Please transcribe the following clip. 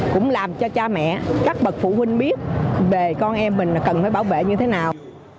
cũng làm cho cha mẹ các bậc phụ huynh biết về con em mình cần phải bảo vệ như thế nào